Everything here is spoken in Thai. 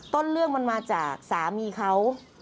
ต้นเรื่องมันมาจากสามีเขา